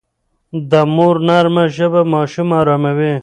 د مور نرمه ژبه ماشوم اراموي.